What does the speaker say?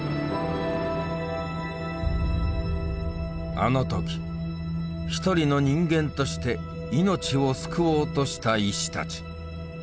あの時一人の人間として命を救おうとした医師たち。